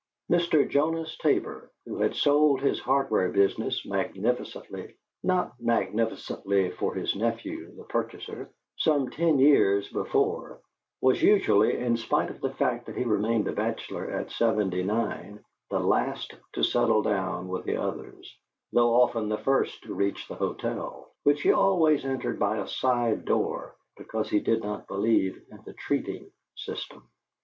Mr. Jonas Tabor, who had sold his hardware business magnificently (not magnificently for his nephew, the purchaser) some ten years before, was usually, in spite of the fact that he remained a bachelor at seventy nine, the last to settle down with the others, though often the first to reach the hotel, which he always entered by a side door, because he did not believe in the treating system.